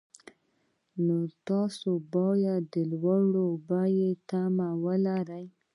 نو تاسو باید د لوړو بیو تمه ولرئ